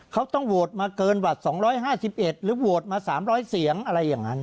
เขาต้องโหวตมาเกินหวัด๒๕๑หรือโหวตมา๓๐๐เสียงอะไรอย่างนั้น